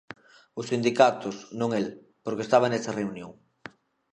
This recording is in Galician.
Os sindicatos, non, el, porque estaba nesa reunión.